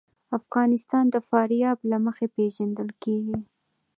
افغانستان د فاریاب له مخې پېژندل کېږي.